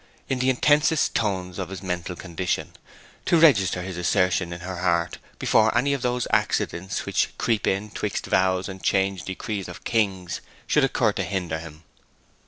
in the intensest tones of his mental condition, to register his assertion in her heart before any of those accidents which 'creep in 'twixt vows, and change decrees of kings,' should occur to hinder him.